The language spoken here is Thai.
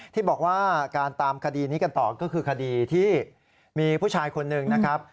ที่บอกว่าการตามคดีนี้กันต่อก็คือคดีที่มีผู้ชายคนหนึ่งนะครับ